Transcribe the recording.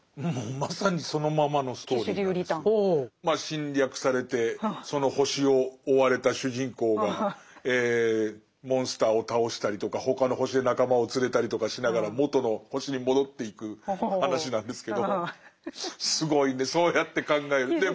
侵略されてその星を追われた主人公がモンスターを倒したりとか他の星で仲間を連れたりとかしながら元の星に戻っていく話なんですけどすごいねそうやって考えると。